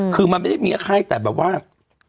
คือมันไม่ได้มิ้นไข้แต่ระหว่าง